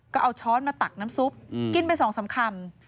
ก็เอาช้อนมาตักน้ำซุปกินเป็น๒๓คำ